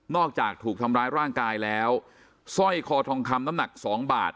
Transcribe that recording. อกจากถูกทำร้ายร่างกายแล้วสร้อยคอทองคำน้ำหนักสองบาท